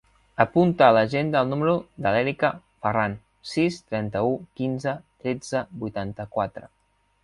Apunta a l'agenda el número de l'Erika Farran: sis, trenta-u, quinze, tretze, vuitanta-quatre.